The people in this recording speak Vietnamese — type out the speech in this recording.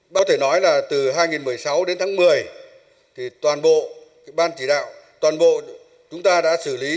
có thể nói là từ hai nghìn một mươi sáu đến tháng một mươi toàn bộ ban chỉ đạo toàn bộ chúng ta đã xử lý